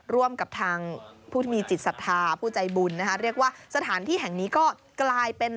ร่วมกับทางผู้ที่มีจิตศรัทธาผู้ใจบุญนะคะเรียกว่าสถานที่แห่งนี้ก็กลายเป็น